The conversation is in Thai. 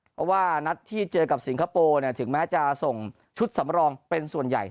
เพราะว่านัดที่เจอกับสิงคโปร์ถึงแม้จะส่งชุดสำรองเป็นส่วนใหญ่